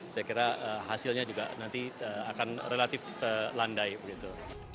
saya kira hasilnya juga nanti akan relatif landai begitu